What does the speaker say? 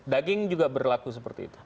daging juga berlaku seperti itu